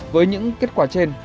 với những kết quả trên